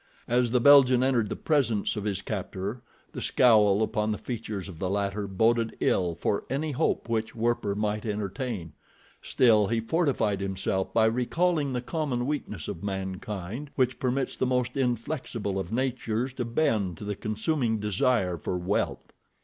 As the Belgian entered the presence of his captor the scowl upon the features of the latter boded ill for any hope which Werper might entertain, still he fortified himself by recalling the common weakness of mankind, which permits the most inflexible of natures to bend to the consuming desire for wealth.